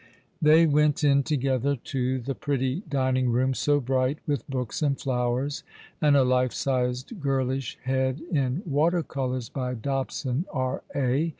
They went in together to the pretty dining room, so bright with books and flowers, and a life sized girlish head in water colours, by Dobson, E.A.